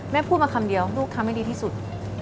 พูดมาคำเดียวลูกทำให้ดีที่สุด